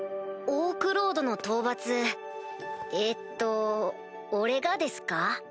オークロードの討伐えっと俺がですか？